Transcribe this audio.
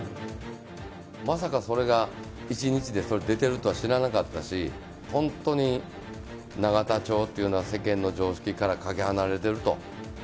まさかそれが１日で出てるとは知らなかったし、本当に永田町っていうのは、世間の常識からかけ離れてると。